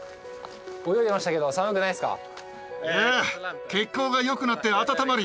泳いでましたけど寒くないですか？